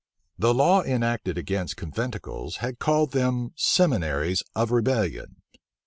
The law enacted against conventicles had called them seminaries of rebellion.